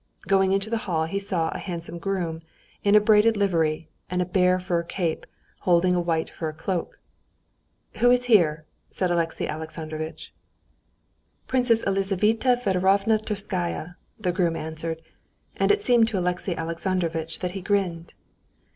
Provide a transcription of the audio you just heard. Going into the hall he saw a handsome groom, in a braided livery and a bear fur cape, holding a white fur cloak. "Who is here?" asked Alexey Alexandrovitch. "Princess Elizaveta Federovna Tverskaya," the groom answered, and it seemed to Alexey Alexandrovitch that he grinned.